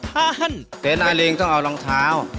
เตรนาเรงต้องเอารองเท้า